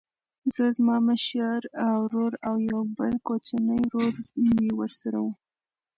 زه زما مشر ورور او یو بل کوچنی ورور مې ورسره و